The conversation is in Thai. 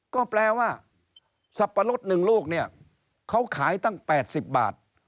ก็แปลว่าสับปะรด๑ลูกเนี่ยเขาขายตั้ง๘๐บาท